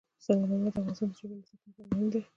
سنگ مرمر د افغانستان د چاپیریال ساتنې لپاره مهم دي.